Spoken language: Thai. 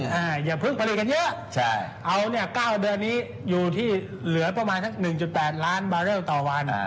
เหยียบผลิตกันเยอะเอา๙เดือนนี้อยู่ที่เหลือประมาณ๑๘ล้านบาเรลต่อวัน